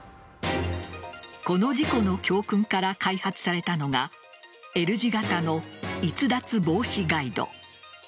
この事故の教訓から開発されたのがＬ字型の逸脱防止ガイド。